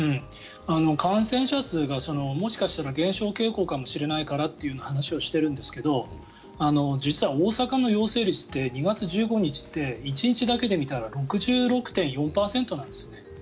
感染者数がもしかしたら減少傾向かもしれないからっていう話をしているんですが実は大阪の陽性率って２月１５日って１日だけで見たら６６．４％なんですね。